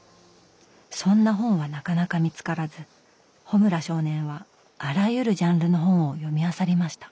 そんな本はなかなか見つからず穂村少年はあらゆるジャンルの本を読みあさりました。